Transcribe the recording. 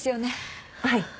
はい。